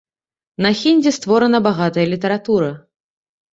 На хіндзі створана багатая літаратура.